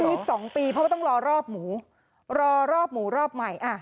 มี๒ปีเพราะว่าต้องรอรอบหมูรอรอบหมูรอบใหม่